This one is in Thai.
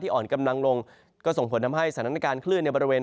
อ่อนกำลังลงก็ส่งผลทำให้สถานการณ์คลื่นในบริเวณ